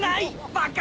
バカ！